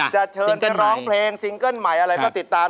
จะเชิญไปร้องเพลงซิงเกิ้ลใหม่อะไรก็ติดตาม